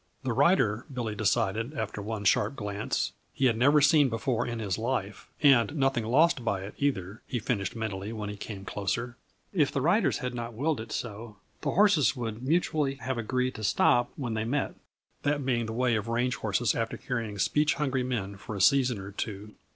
The rider, Billy decided after one sharp glance, he had never seen before in his life and nothing lost by it, either, he finished mentally when he came closer. If the riders had not willed it so the horses would mutually have agreed to stop when they met; that being the way of range horses after carrying speech hungry men for a season or two.